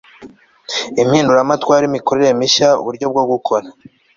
impinduramatwara imikorere mishya, uburyo bwo gukora